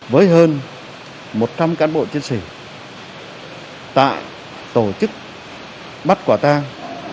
với hơn một trăm linh cán bộ chiến sĩ tổ chức bắt quả tang